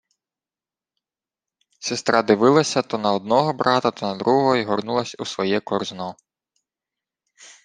Сестра дивилася то на одного брата, то на другого й горнулась у своє корзно.